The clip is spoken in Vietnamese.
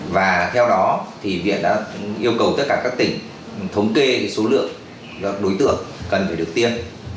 và theo đó thì viện đã yêu cầu tất cả các tỉnh thống kê số lượng đối tượng cần phải được tiêm